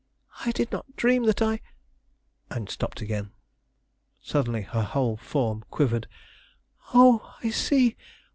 "I did not dream that I " and stopped again. Suddenly her whole form quivered. "Oh, I see!